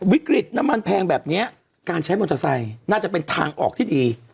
วิกฤตน้ำมันแพงแบบนี้การใช้มอเตอร์ไซค์น่าจะเป็นทางออกที่ดี